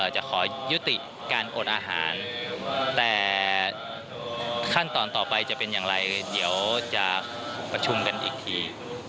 จะขอยุติการอดอาหารแต่ขั้นตอนต่อไปจะเป็นอย่างไรเดี๋ยวจะประชุมกันอีกที